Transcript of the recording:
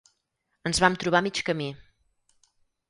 Ens vam trobar a mig camí.